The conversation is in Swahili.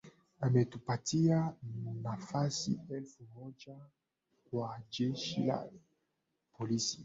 Ametupatia nafasi elfu moja kwa Jeshi la Polisi